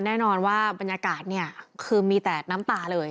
แน่นอนว่าบรรยากาศเนี่ยคือมีแต่น้ำตาเลย